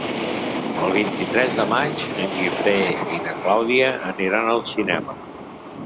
El vint-i-tres de maig en Guifré i na Clàudia aniran al cinema.